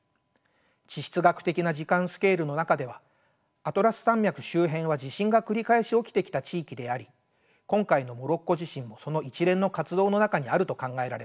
地質学的な時間スケールの中ではアトラス山脈周辺は地震が繰り返し起きてきた地域であり今回のモロッコ地震もその一連の活動の中にあると考えられます。